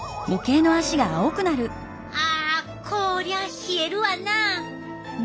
あ！こりゃ冷えるわなあ。